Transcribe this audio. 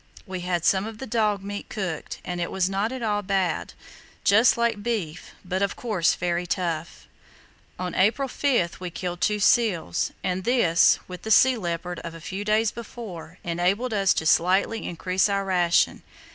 We had some of the dog meat cooked, and it was not at all bad—just like beef, but, of course, very tough." On April 5 we killed two seals, and this, with the sea leopard of a few days before, enabled us to slightly increase our ration.